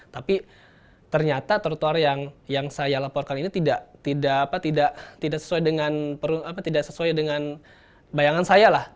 tapi ternyata trotoar yang saya laporkan ini tidak sesuai dengan bayangan saya lah